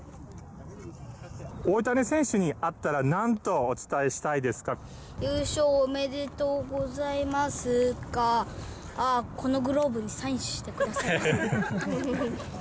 大谷選手に会ったら、なんと優勝おめでとうございますか、このグローブにサインしてください。